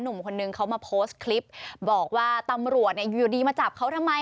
หนุ่มคนนึงเขามาโพสต์คลิปบอกว่าตำรวจเนี่ยอยู่ดีมาจับเขาทำไม